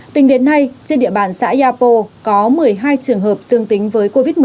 tình đến nay trên địa bàn xã yà pô có một mươi hai trường hợp dương tính với covid một mươi chín